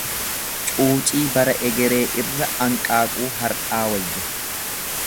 Cuucii bara egeree irra anqaaquu har'aa wayya.